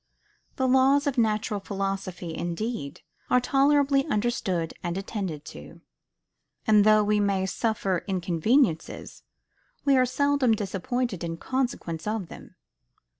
The laws of natural philosophy, indeed, are tolerably understood and attended to; and though we may suffer inconveniences, we are seldom disappointed in consequence of them.